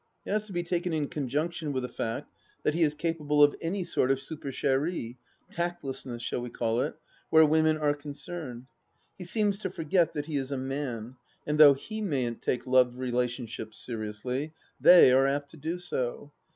It has to be taken in conjunction with the fact that he is capable of any sort of supercherie — tactlessness, shall we call it ?— where women are con cerned. He seems to forget that he is a man, and though he majm't take love relationships seriously, they are apt to do so.